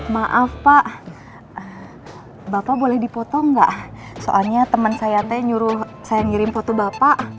maaf pak bapak boleh dipotong enggak soalnya teman saya teh nyuruh saya ngirim foto bapak